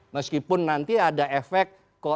meskipun nanti ada efek